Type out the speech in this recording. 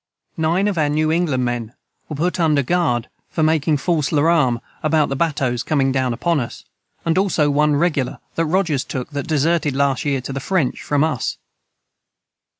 9 of our Newingland Men were put under guard for making a false larrom about the battoes coming down upon us & also one regular that Rogers took that desarted last year to the French from us.